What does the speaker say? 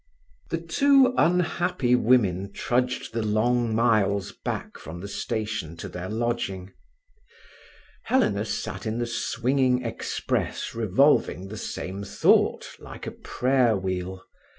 The two unhappy women trudged the long miles back from the station to their lodging. Helena sat in the swinging express revolving the same thought like a prayer wheel.